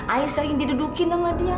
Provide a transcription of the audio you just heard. ayah sering didudukin sama dia